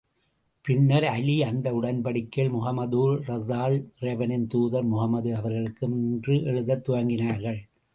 பின்னர், அலீ அந்த உடன்படிக்கையில், முஹம்மதுர் ரஸூல் இறைவனின் தூதர் முஹம்மது அவர்களுக்கும்... என்று எழுதத் துவங்கினார்கள்.